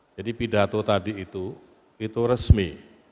jadi pidato tadi itu itu resmi